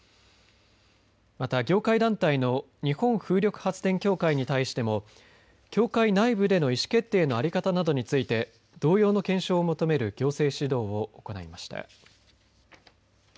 また、業界団体の日本風力発電協会に対しても協会内部での意思決定の在り方などについて同様の検証を求める行政指導を行いました。